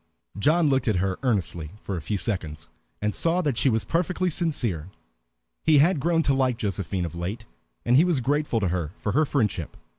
John looked at her earnestly for a few seconds, and saw that she was perfectly sincere. He had grown to like Josephine of late, and he was grateful to her for her friendship.